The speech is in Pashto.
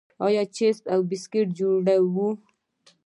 آیا چپس او بسکټ جوړوو؟